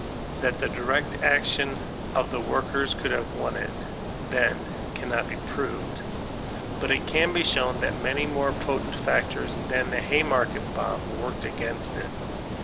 That the direct action of the worken coold have won it, then, can not be proved ; but it can be diown that many more potent factors than the Haymarket bomb worked against it.